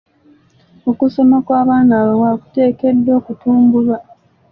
Okusoma kw'abaana abawala kuteekeddwa okutumbulwa.